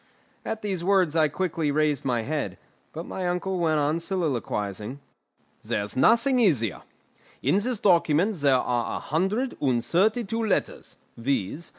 At these words I quickly raised my head; but my uncle went on soliloquising. "There's nothing easier. In this document there are a hundred and thirty two letters, viz.